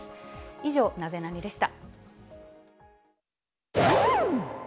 以上、ナゼナニっ？でした。